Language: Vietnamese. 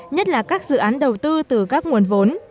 nhất là các dự án đầu tư từ các nguồn vốn